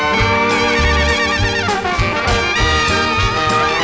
โปรดติดตามต่อไป